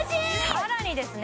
さらにですね